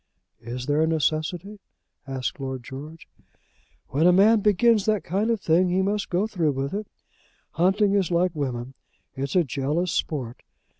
"Is there a necessity?" asked Lord George. "When a man begins that kind of thing he must go through with it. Hunting is like women. It's a jealous sport.